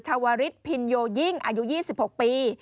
ชาวริสพินโยยิ่งอายุ๒๖ปี